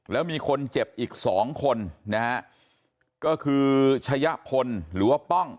แล้วมีคนเจ็บอีกสองคนนะฮะก็คือชะยะพลหรือว่าป้อง